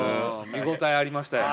見応えありましたよ。